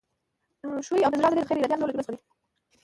ښویې او د زړه عضلې د غیر ارادي عضلو له جملو څخه دي.